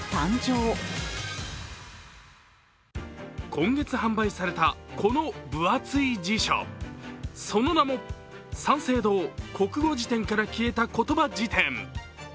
今月販売された、この分厚い辞書「三省堂国語辞典から消えたことば辞典」。